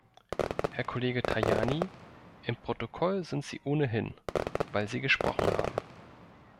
Herr Kollege Tajani, im Protokoll sind Sie ohnehin, weil Sie gesprochen haben.